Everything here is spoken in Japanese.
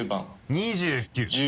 ２９。